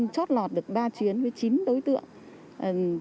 chót lọt được ba chuyến với chín đối tượng